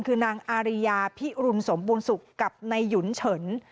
คือนางอาริยาพิรุณสมบูรณสุขกับนายหยุนเฉิน